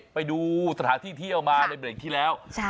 ไปดูสถานที่เที่ยวมาในเบรกที่แล้ว